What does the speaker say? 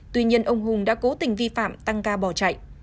tuy nhiên ông hùng đã cố tình vi phạm tăng ca bỏ chạy